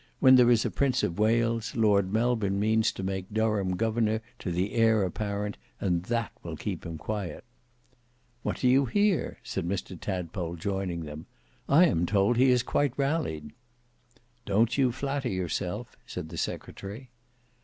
When there is a Prince of Wales, Lord Melbourne means to make Durham governor to the heir apparent, and that will keep him quiet." "What do you hear?" said Mr Tadpole, joining them; "I am told he has quite rallied." "Don't you flatter yourself," said the secretary.